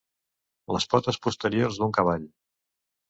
Les potes posteriors d'un cavall.